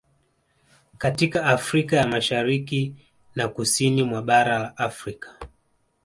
Katika Afrika ya Mashariki na Kusini mwa bara la Afrika